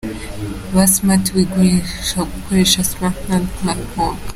Ba Smart wigurira ibikoresho biri smat bya Konka.